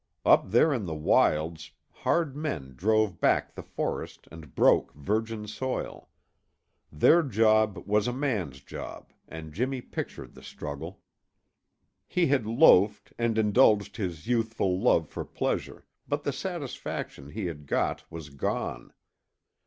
Up there in the wilds, hard men drove back the forest and broke virgin soil. Their job was a man's job and Jimmy pictured the struggle. He had loafed and indulged his youthful love for pleasure, but the satisfaction he had got was gone.